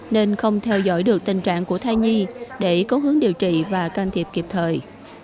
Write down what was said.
nên không theo dõi được tình trạng của thai nhi để có hướng điều trị và can thiệp kịp thời